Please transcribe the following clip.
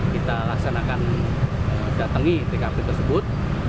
kita laksanakan datangi tkp tersebut